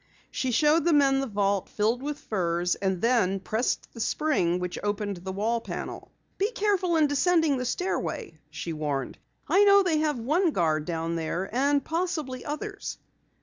She showed the men the vault filled with furs, and pressed the spring which opened the wall panel. "Be careful in descending the stairway," she warned. "I know they have one guard down there and possibly others."